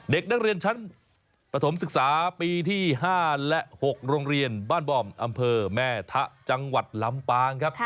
เด็กนักเรียนชั้นปฐมศึกษาปีที่๕และ๖โรงเรียนบ้านบอมอำเภอแม่ทะจังหวัดลำปางครับ